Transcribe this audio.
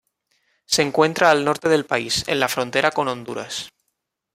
Se encuentra al norte del país, en la frontera con Honduras.